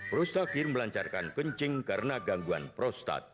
prostakir melancarkan kencing karena gangguan prostat